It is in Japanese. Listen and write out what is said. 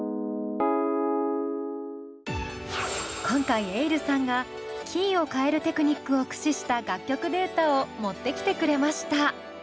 今回ｅｉｌｌさんがキーを変えるテクニックを駆使した楽曲データを持ってきてくれました。